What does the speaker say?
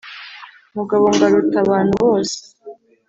mugabo ngo aruta abantu bose,